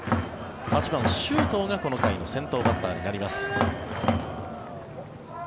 ８番、周東がこの回の先頭バッターになります。